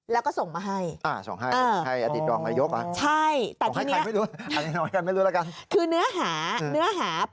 แล้วก็ส่งมาให้